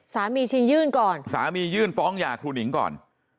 ชิงยื่นก่อนสามียื่นฟ้องหย่าครูหนิงก่อน